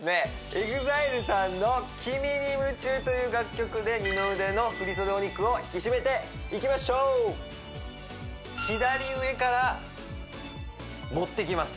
ＥＸＩＬＥさんの「Ｋｉ・ｍｉ・ｎｉ・ｍｕ・ｃｈｕ」という楽曲で二の腕の振り袖お肉を引き締めていきましょう左上から持ってきます